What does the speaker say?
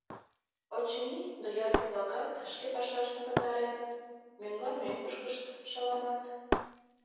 Очыни, доярке-влакат шке пашаштым пытареныт, мӧҥган-мӧҥгышкышт шаланат.